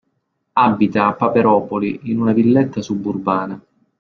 Abita a Paperopoli in una villetta suburbana.